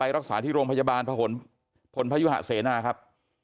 รักษาที่โรงพยาบาลพลพยุหะเสนาครับ